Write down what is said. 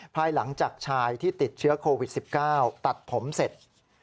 ภายหลังจากชายที่ติดเชื้อโควิด๑๙ตัดผมเสร็จ